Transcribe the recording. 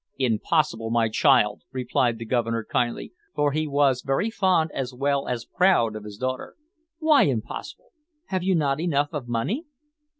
"Impossible, my child," replied the Governor kindly, for he was very fond as well as proud of his daughter. "Why impossible? Have you not enough of money?"